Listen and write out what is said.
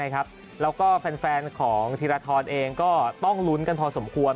แล้วก็แฟนของธีรทรเองก็ต้องลุ้นกันพอสมควร